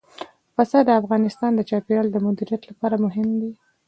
پسه د افغانستان د چاپیریال د مدیریت لپاره مهم دي.